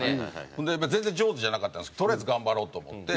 ほんで全然上手じゃなかったんですけどとりあえず頑張ろうと思って。